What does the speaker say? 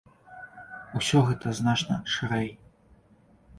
Усё гэта значна шырэй.